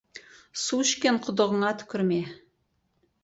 Су ішкен құдығыңа түкірме.